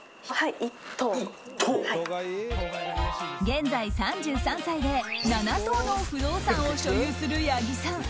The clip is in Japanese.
現在３３歳で７棟の不動産を所有する八木さん。